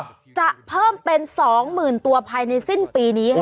จะเพิ่มเป็น๒๐๐๐ตัวภายในสิ้นปีนี้ค่ะ